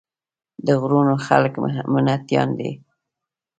د غرونو خلک محنتيان دي ـ